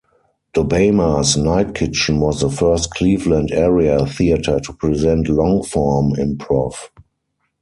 Dobama's Night Kitchen was the first Cleveland area theater to present long-form improv.